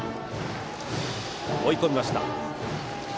追い込みました。